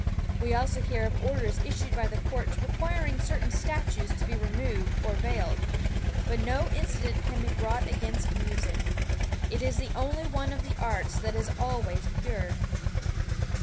We also hear of orders issued by the courts requiring certain statues to be removed or veiled, but no indictment can be brought against music. It is the only one of the arts that is always pure.